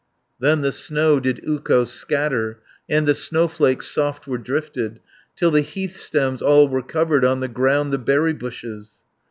Then the snow did Ukko scatter, And the snowflakes soft were drifted, Till the heath stems all were covered, On the ground the berry bushes.